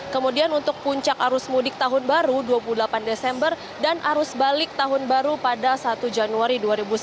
kemudian untuk puncak arus mudik tahun baru dua puluh delapan desember dan arus balik tahun baru pada satu januari dua ribu sembilan belas